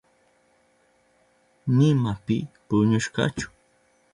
Nima pi puñushkachu.